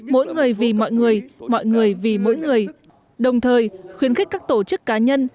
mỗi người vì mọi người mọi người vì mỗi người đồng thời khuyến khích các tổ chức cá nhân